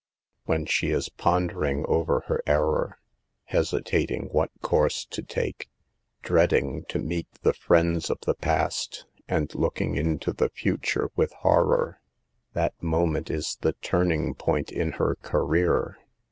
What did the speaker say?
When she is pondering over her error, hesitating what course to take, dreading to meet the friends of the past, and looking into the future with horror, that mo ment is the turning point in her career.